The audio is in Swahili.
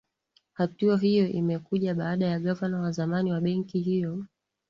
hatua hiyo imekuja baada gavana wa zamani wa benki hiyo